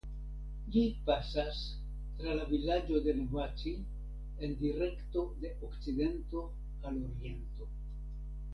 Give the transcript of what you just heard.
Ĝi pasas tra la vilaĝo de Novaci en direkto de okcidento al oriento.